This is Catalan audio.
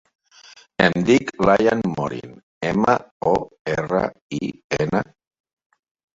Em dic Layan Morin: ema, o, erra, i, ena.